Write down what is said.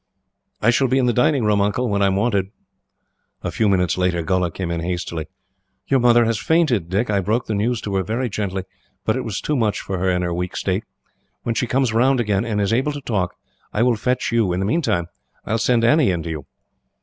"I shall be in the dining room, Uncle, when I am wanted." A few minutes later, Gholla came in hastily. "Your mother has fainted, Dick. I broke the news to her very gently, but it was too much for her, in her weak state. When she comes round again, and is able to talk, I will fetch you. In the meantime, I will send Annie in to you."